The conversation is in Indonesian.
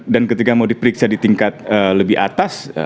dan ketika mau diperiksa di tingkat lebih atas